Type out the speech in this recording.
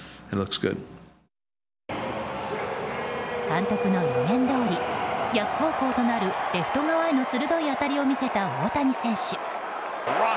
監督の予言どおり逆方向となるレフト側への鋭い当たりを見せた大谷選手。